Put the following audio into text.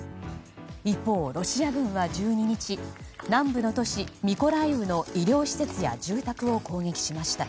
一方、ロシア軍は１２日南部の都市ミコライウの医療施設や住宅を攻撃しました。